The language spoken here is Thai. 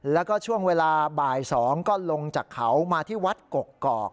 แล้วก็ช่วงเวลาบ่าย๒ก็ลงจากเขามาที่วัดกกอก